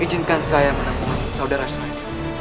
ijinkan saya menangguhkan saudara saya